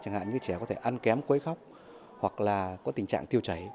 chẳng hạn như trẻ có thể ăn kém quấy khóc hoặc là có tình trạng tiêu chảy